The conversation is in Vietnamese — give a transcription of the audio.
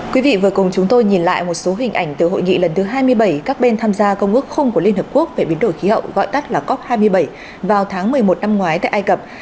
quý vị vừa cùng chúng tôi nhìn lại một số hình ảnh từ hội nghị lần thứ hai mươi bảy các bên tham gia công ước khung của liên hợp quốc về biến đổi khí hậu gọi tắt là cop hai mươi bảy vào tháng một mươi một năm ngoái tại ai cập